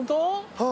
はい。